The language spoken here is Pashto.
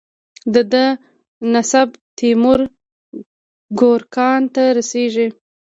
د ده نسب تیمور ګورکان ته رسیږي.